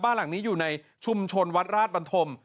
บ้านหลังนี้อยู่ในชุมชนวัดราชบันธม